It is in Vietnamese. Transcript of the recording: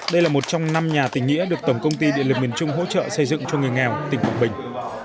đây là một trong năm nhà tình nghĩa được tổng công ty điện lực miền trung hỗ trợ xây dựng cho người nghèo tỉnh quảng bình